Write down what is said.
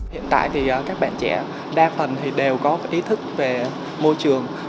hiện tại thì các bạn trẻ đa phần thì đều có ý thức về môi trường